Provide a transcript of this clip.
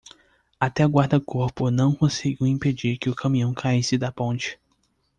Até o guarda-corpo não conseguiu impedir que o caminhão caísse da ponte.